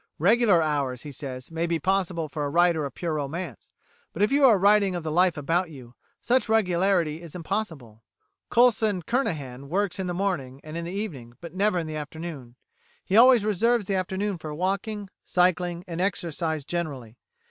Regular hours, he says, may be possible to a writer of pure romance, but if you are writing of the life about you, such regularity is impossible.[132:A] Coulson Kernahan works in the morning and in the evening, but never in the afternoon. He always reserves the afternoon for walking, cycling, and exercise generally.